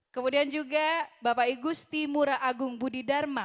kemudian juga bapak igusti mura agung budi dharma